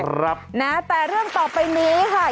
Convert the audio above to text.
ครับนะแต่เรื่องต่อไปนี้ค่ะ